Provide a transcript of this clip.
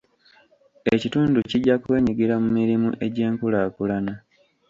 Ekitundu kijja kwenyigira mu mirimu egy'enkulaakulana.